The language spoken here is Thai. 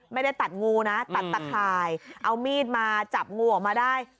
ไม่ได้ตัดงูนะตัดตะข่ายเอามีดมาจับงูออกมาได้